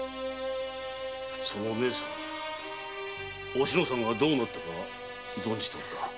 その姉さんおしのさんがどうなったか存じておるか？